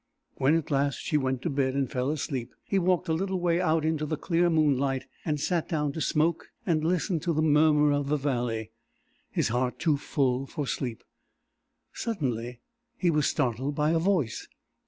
When at last she went to bed, and fell asleep, he walked a little way out into the clear moonlight and sat down to smoke and listen to the murmur of the valley, his heart too full for sleep. Suddenly he was startled by a voice.